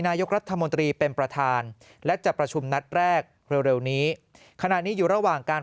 นายกรัฐมนตรีเป็นประธานและจะประชุมนัดแรกเร็วเร็วนี้ขณะนี้อยู่ระหว่างการ